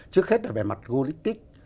trước hết là về mặt logistic